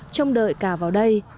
trong đợi cả vào đây